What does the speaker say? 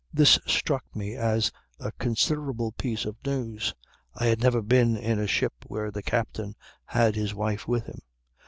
"This struck me as a considerable piece of news. I had never been in a ship where the captain had his wife with him.